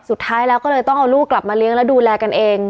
สุดท้ายแล้วก็เลยต้องเอาลูกกลับมาเลี้ยงแล้วดูแลกันเอง